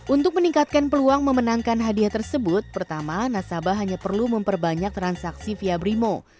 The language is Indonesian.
untuk meningkatkan peluang memenangkan hadiah tersebut pertama nasabah hanya perlu memperbanyak transaksi via brimo